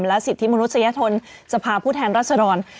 และสิทธิมนุษยชนสภาพผู้แทนรัศดร